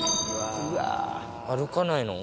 歩かないの？